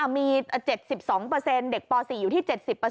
มี๗๒เด็กป๔อยู่ที่๗๐